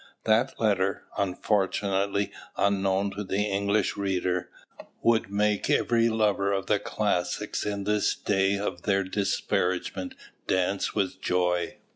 That letter, unfortunately unknown to the English reader, would make every lover of the classics in this day of their disparagement dance with joy.